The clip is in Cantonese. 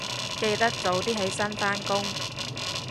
記得早啲起身返工